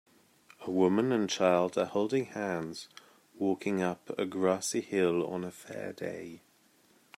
A woman and child are holding hands walking up a grassy hill on a fair day.